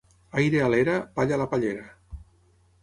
Aire a l'era, palla a la pallera.